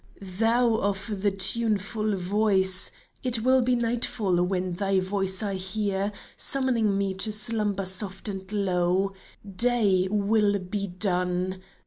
Thou of the tuneful voice ! 254 DAY AND NIGHT It will be nightfall when thy voice I hear, Summoning me to slumber soft and low ! Day will be done.